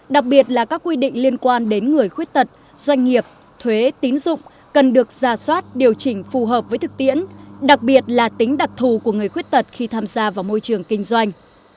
đặc biệt là các quy định liên quan đến người khuyết tật doanh nghiệp thuế tín dụng cần được ra soát điều chỉnh phù hợp với thực tiễn đặc biệt là tính đặc thù của người khuyết tật khi tham gia vào môi trường kinh doanh